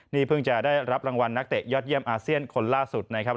นี่เพิ่งจะได้รับรางวัลนักเตะยอดเยี่ยมอาเซียนคนล่าสุดนะครับ